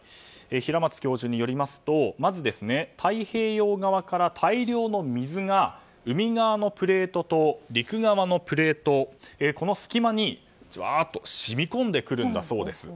平松教授によりますと太平洋側から大量の水が海側のプレートと陸側のプレートこの隙間にじわっと染み込んでくるんだそうです。